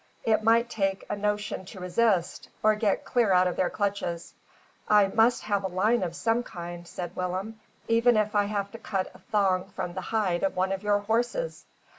It might take a notion to resist, or get clear out of their clutches. "I must have a line of some kind," said Willem, "even if I have to cut a thong from the hide of one of your horses.